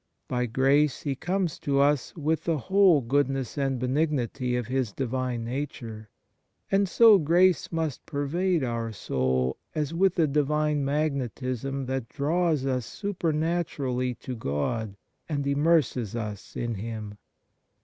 By grace He comes to us with the whole goodness and be nignity of His Divine Nature, and so grace must pervade our soul as with a Divine magnetism that draws us supernaturally to God and immerses us in Him.